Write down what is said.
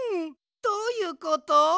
どういうこと？